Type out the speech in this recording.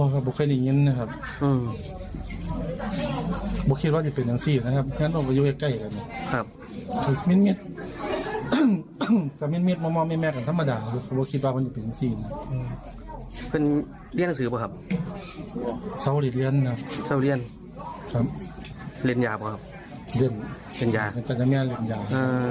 เรียนยาป่ะครับเรียนยาจังหญ้าเรียนยา